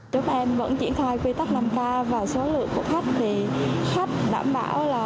lúc em vẫn triển khai quy tắc năm k và số lượng của khách thì khách đảm bảo là